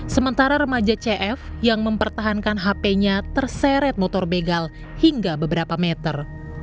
sementara remaja cf yang mempertahankan hp nya terseret motor begal hingga beberapa meter